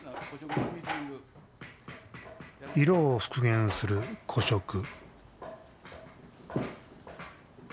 色を復元する古色。